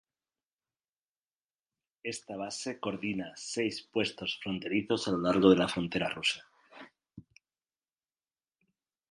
Esta base coordina seis puestos fronterizos a lo largo de la frontera rusa.